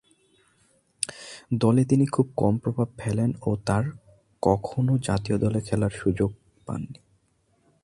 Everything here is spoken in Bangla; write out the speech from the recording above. দলে তিনি খুবই কম প্রভাব ফেলেন ও আর কখনো জাতীয় দলে খেলার সুযোগ পাননি।